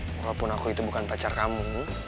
walaupun aku itu bukan pacar kamu